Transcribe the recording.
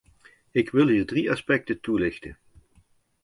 Ik wil hier drie aspecten toelichten.